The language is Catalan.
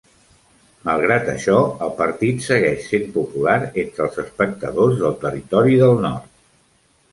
Malgrat això, el partit segueix sent popular entre els espectadors del Territori del Nord.